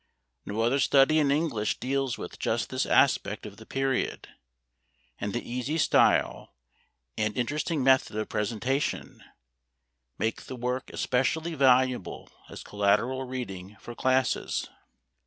No other study in English deals with just this aspect of the period, and the easy style and interesting method of presentation make the work especially valuable as collateral reading for classes.